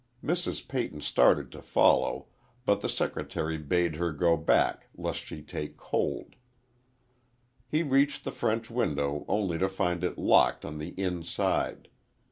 Mrs. Peyton started to follow, but the secretary bade her go back lest she take cold. He reached the French window only to find it locked on the inside.